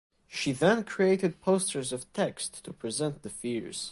She then created posters of text to present the fears.